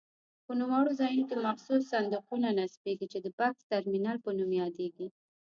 په نوموړو ځایونو کې مخصوص صندوقونه نصبېږي چې د بکس ترمینل په نوم یادیږي.